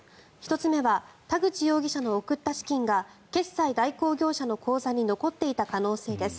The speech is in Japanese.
１つ目は田口容疑者の送った資金が決済代行業者の口座に残っていた可能性です。